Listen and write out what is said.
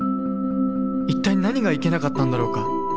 一体何がいけなかったんだろうか？